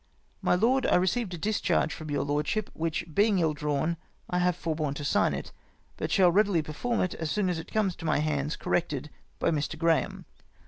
My Loed, — I received a discharge from your lordship, which being ill drawn, I have forborne to sign it ; but shall readily perform it so soon as it comes to my hands corrected by Mr. Grraham.